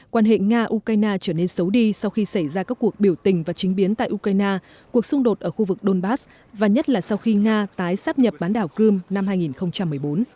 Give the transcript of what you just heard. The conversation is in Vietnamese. quan hệ nga ukraine trở nên xấu đi sau khi xảy ra các cuộc biểu tình và chính biến tại ukraine cuộc xung đột ở khu vực donbass và nhất là sau khi nga tái sáp nhập bán đảo crimea năm hai nghìn một mươi bốn